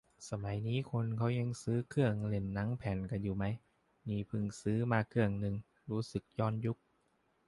สมัยนี้คนเขายังซื้อเครื่องเล่นหนังแผ่นกันอยู่ไหม นี่เพิ่งซื้อมาเครื่องนึง รู้สึกย้อนยุค